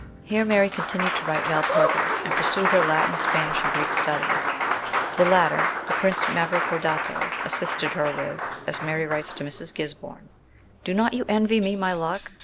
Here Mary continued to write Valperga, and pursued her Latin, Spanish, and Greek studies ; the latter the Prince Mavrocordato assisted her with, as Mary writes to Mrs. Gisborne : "Do not you envy me my luck